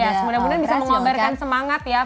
iya semudah mudahan bisa mengobarkan semangat ya